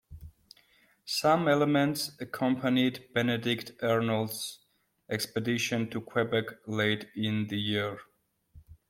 Some elements accompanied Benedict Arnold's expedition to Quebec late in the year.